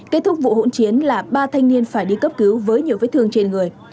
kết thúc vụ hỗn chiến là ba thanh niên phải đi cấp cứu với nhiều vết thương trên người